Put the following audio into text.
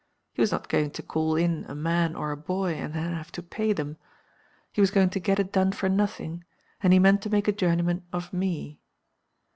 He was not going to call in a man or a boy, and then have to pay them. He was going to get it done for nothing, and he meant to make a journeyman of _me.